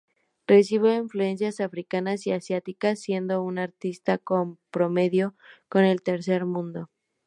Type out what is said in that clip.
Recibe influencias africanas y asiáticas, siendo un artista comprometido con el Tercer Mundo.